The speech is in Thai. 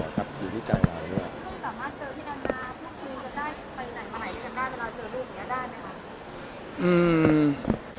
คุณสามารถเจอพี่น้ำน้าพวกคุณจะได้ไปอยู่ไหนไหมหรือคุณสามารถเจอลูกอย่างนี้ได้ไหมครับ